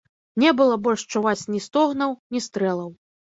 Не было больш чуваць ні стогнаў, ні стрэлаў.